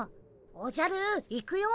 おじゃる行くよ。